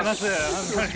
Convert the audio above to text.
本当に。